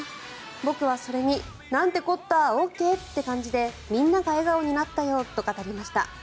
僕はそれになんてこった、ＯＫって感じでみんなが笑顔になったよと語りました。